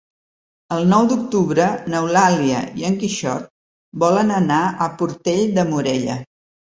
El nou d'octubre n'Eulàlia i en Quixot volen anar a Portell de Morella.